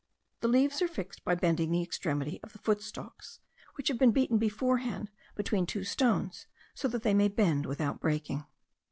The leaves are fixed by bending the extremity of the footstalks, which have been beaten beforehand between two stones, so that they may bend without breaking.